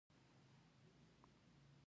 ایا ستاسو نیت پاک نه دی؟